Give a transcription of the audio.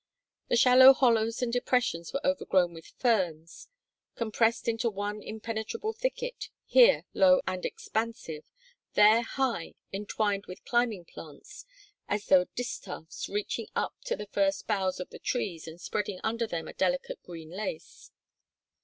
The shallow hollows and depressions were overgrown with ferns, compressed into one impenetrable thicket, here low and expansive, there high, entwined with climbing plants, as though distaffs, reaching up to the first boughs of the trees and spreading under them in delicate green lace.